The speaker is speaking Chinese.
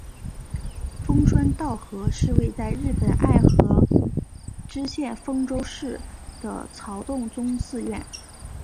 丰川稻荷是位在日本爱知县丰川市的曹洞宗寺院。